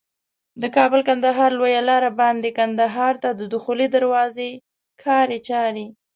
د کابل کندهار لویه لار باندي کندهار ته د دخولي دروازي کاري چاري